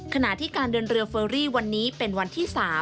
ขณะที่การเดินเรือเฟอรี่วันนี้เป็นวันที่๓